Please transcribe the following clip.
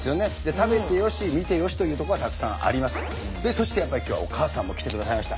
そしてやっぱり今日はおかあさんも来てくださいました。